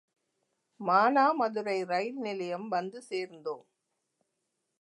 மானாமதுரை இரயில் நிலையம் வந்து சேர்ந்தோம்.